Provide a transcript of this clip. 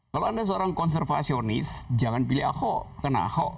kalau anda seorang konservasionis jangan pilih aho karena aho tidak punya perspektif kebudayaan